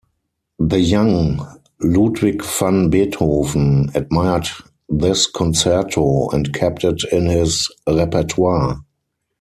The young Ludwig van Beethoven admired this concerto and kept it in his repertoire.